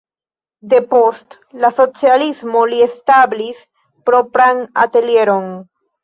Depost la socialismo li establis propran atelieron.